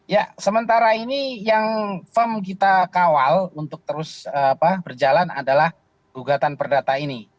ya sementara ini yang firm kita kawal untuk terus berjalan adalah gugatan perdata ini